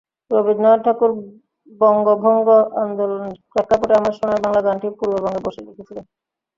রবীন্দ্রনাথ ঠাকুর বঙ্গভঙ্গ আন্দোলনের প্রেক্ষাপটে আমার সোনার বাংলা গানটি পূর্ববঙ্গে বসে লিখেছিলেন।